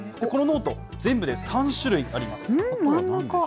このノート、全部で３種類ありま真ん中？